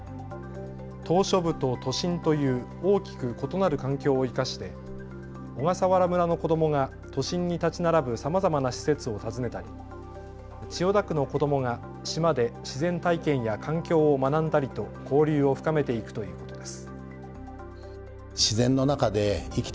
島しょ部と都心という大きく異なる環境を生かして小笠原村の子どもが都心に建ち並ぶさまざまな施設を訪ねたり千代田区の子どもが島で自然体験や環境を学んだりと交流を深めていくということです。